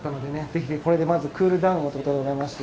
ぜひこれでまずクールダウンを。